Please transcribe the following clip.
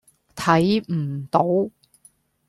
睇唔到